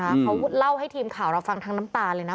เขาเล่าให้ทีมข่าวเราฟังทั้งน้ำตาเลยนะ